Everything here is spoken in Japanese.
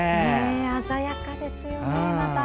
鮮やかですよね。